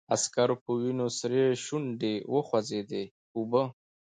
د عسکر په وينو سرې شونډې وخوځېدې: اوبه!